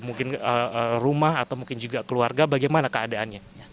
mungkin rumah atau mungkin juga keluarga bagaimana keadaannya